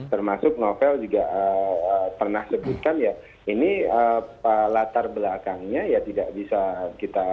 termasuk novel juga pernah sebutkan ya ini latar belakangnya ya tidak bisa kita